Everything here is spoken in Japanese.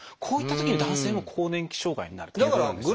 こういったときに男性も更年期障害になるということですね。